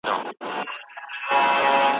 سبا به نه وي لکه نه وو زېږېدلی چنار